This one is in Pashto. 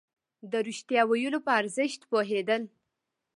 د رښتيا ويلو په ارزښت پوهېدل.